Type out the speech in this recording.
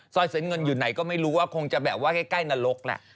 ซอยสวนเงินอยู่ไหนก็ไม่รู้ว่าคงจะว่าแค่ใกล้นรกแหละ